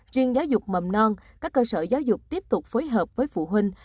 riêng giáo dục mầm non các cơ sở giáo dục tiếp tục phối hợp với phụ huynh